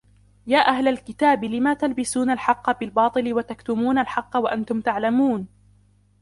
يَا أَهْلَ الْكِتَابِ لِمَ تَلْبِسُونَ الْحَقَّ بِالْبَاطِلِ وَتَكْتُمُونَ الْحَقَّ وَأَنْتُمْ تَعْلَمُونَ